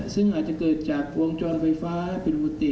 ซึ่งอาจจะเกิดจากวงจรไฟฟ้าเป็นกุฏิ